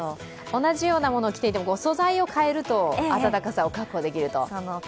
同じようなものを着ていても、素材を変えると暖かさを確保できる。